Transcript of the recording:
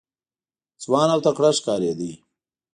ځوان او تکړه ښکارېده.